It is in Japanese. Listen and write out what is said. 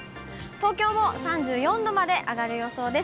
東京も３４度まで上がる予想です。